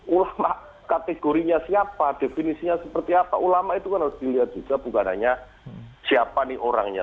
ulama kategorinya siapa definisinya seperti apa ulama itu kan harus dilihat juga bukan hanya siapa nih orangnya